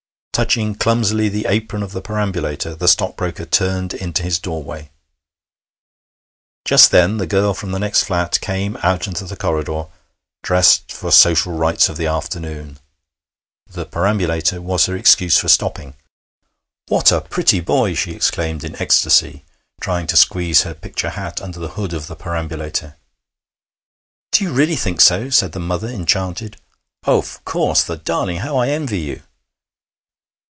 Touching clumsily the apron of the perambulator, the stockbroker turned into his doorway. Just then the girl from the next flat came out into the corridor, dressed for social rites of the afternoon. The perambulator was her excuse for stopping. 'What a pretty boy!' she exclaimed in ecstasy, trying to squeeze her picture hat under the hood of the perambulator. 'Do you really think so?' said the mother, enchanted. 'Of course! The darling! How I envy you!'